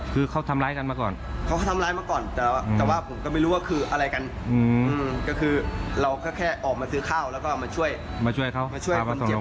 คือเขาถือกันใจอรวาสอยู่ในโรงพยาบาล